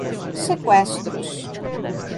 Seqüestros